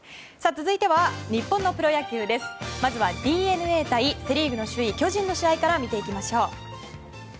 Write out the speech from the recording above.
続いては日本のプロ野球まずはＤｅＮＡ対セ・リーグ首位の巨人の試合から見ていきましょう。